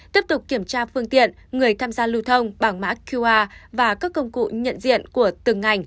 tiếp tục kiểm tra phương tiện người tham gia lưu thông bằng mã qr và các công cụ nhận diện của từng ngành